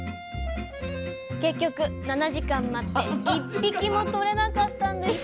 結局７時間待って１匹もとれなかったんです！